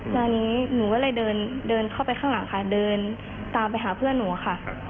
ตอนนี้หนูก็เลยเดินเข้าไปข้างหลังค่ะเดินตามไปหาเพื่อนหนูค่ะ